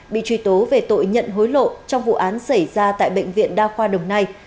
bị truy tố về tội nhận hối lộ trong vụ án xảy ra tại bệnh viện đa khoa đồng nai